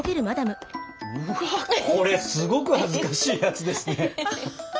うわあこれすごく恥ずかしいやつですね。